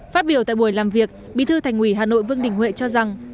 phát biểu tại buổi làm việc bí thư thành ủy hà nội vương đình huệ cho rằng